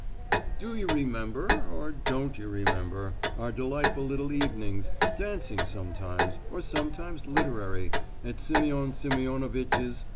"Do you remember—oh, don't you remember—our delightful little evenings—dancing sometimes, or sometimes literary—at Simeon Simeonovitch's?"